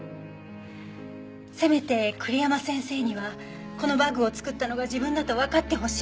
せめて栗山先生にはこのバッグを作ったのが自分だとわかってほしい。